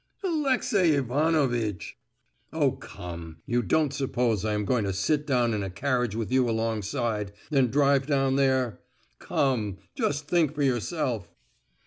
"Alexey Ivanovitch!——" "Oh, come! you don't suppose I am going to sit down in a carriage with you alongside, and drive down there! Come, just think for yourself!"